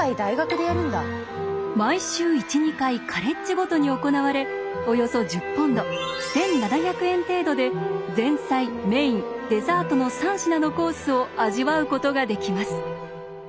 毎週１２回カレッジごとに行われおよそ１０ポンド１，７００円程度で前菜メインデザートの３品のコースを味わうことができます。